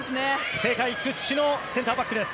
世界屈指のセンターバックです